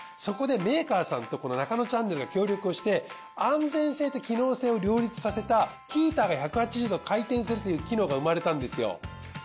そこでメーカーさんとこの『ナカノチャンネル』が協力をして安全性と機能性を両立させたヒーターが１８０度回転するという機能が生まれたんですよ。